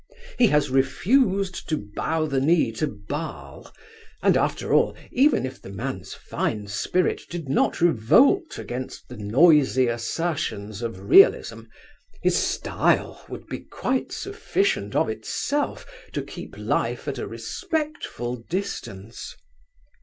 He has refused to bow the knee to Baal, and after all, even if the man's fine spirit did not revolt against the noisy assertions of realism, his style would be quite sufficient of itself to keep life at a respectful distance.